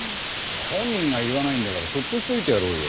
本人が言わないんだからそっとしておいてやろうよ。